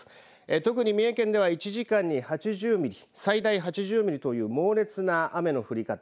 特に三重県では１時間に８０ミリ最大８０ミリという猛烈な雨の降り方。